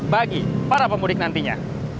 bagi para pemudik nantinya